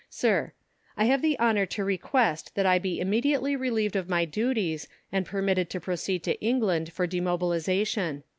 Sir, I have the honour to request that I be immediately relieved of my duties and permitted to proceed to England for demobilization.